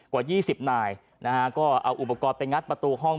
กว่า๒๐นายนะฮะก็เอาอุปกรณ์ไปงัดประตูห้อง